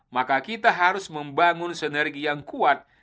maka kita harus membangun sinergi yang kuat